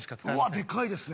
でかいですね